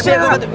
nih saya belom